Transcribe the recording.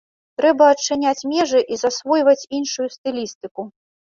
Трэба адчыняць межы і засвойваць іншую стылістыку.